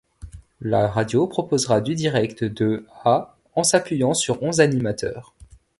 La radio proposera du direct de à en s'appuyant sur onze animateurs.